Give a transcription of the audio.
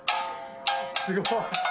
すごい。